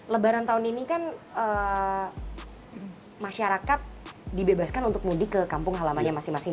lebaran tahun ini kan masyarakat dibebaskan untuk mudik ke kampung halamannya masing masing